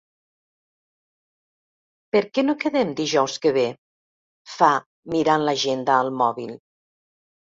Per què no quedem dijous que ve? —fa, mirant l'agenda al mòbil—.